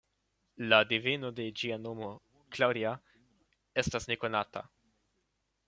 La deveno de ĝia nomo, ""Claudia"", estas nekonata.